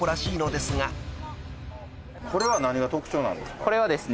これは何が特長なんですか？